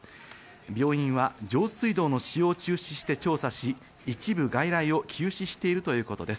病院は上水道の使用を中止して調査し、一部外来を休止しているということです。